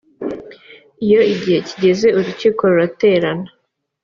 iyo igihe kigeze urukiko ruraterana